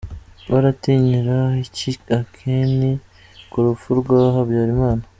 Baratinyira iki Anketi ku rupfu rwa Habyarimana!